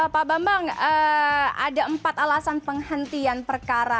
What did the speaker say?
pak bambang ada empat alasan penghentian perkara